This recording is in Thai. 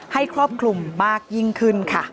ครอบคลุมมากยิ่งขึ้นค่ะ